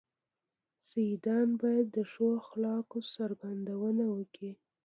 سيدان بايد د ښو اخلاقو څرګندونه وکي.